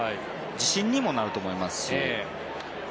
自信にもなると思いますし。